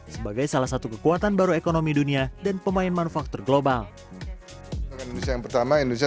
sebagai salah satu pameran industri terbesar di dunia